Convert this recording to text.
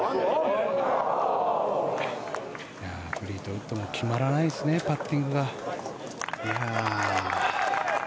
フリートウッドも決まらないですねパッティングが。